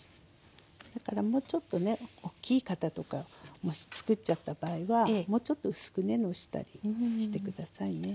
だからもうちょっとねおっきい型とかもしつくっちゃった場合はもうちょっと薄くねのしたりして下さいね。